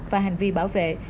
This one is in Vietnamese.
và hành vi bảo vệ